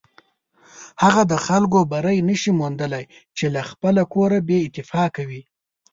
هغه خلک بری نشي موندلی چې له خپله کوره بې اتفاقه وي.